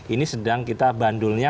ini sedang kita bandulnya